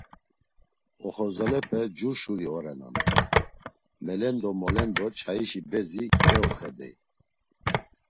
Oxorzalepe cur şuri orenan, melendo molendo çayişi bezi keoxedey.